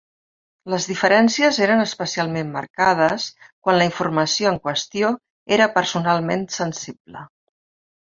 Les diferències eren especialment marcades quan la informació en qüestió era personalment sensible.